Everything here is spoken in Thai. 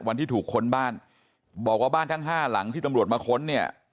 วันที่ถูกค้นบ้านบอกว่าบ้านทั้งห้าหลังที่ตำรวจมาค้นเนี่ย